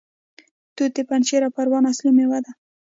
توت د پنجشیر او پروان اصلي میوه ده.